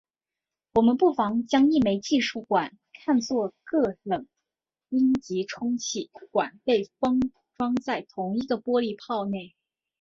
我们不妨将一枚计数管看作数个冷阴极充气管被封装在同一个玻璃泡内。